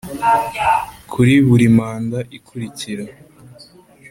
Kuri buri manda ikurikira